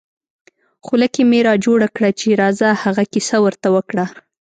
خوله کې مې را جوړه کړه چې راځه هغه کیسه ور ته وکړه.